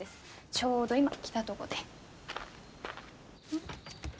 ちょうど今来たとごで。